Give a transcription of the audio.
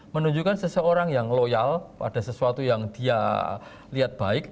menunjukkan seseorang yang loyal pada sesuatu yang dia lihat baik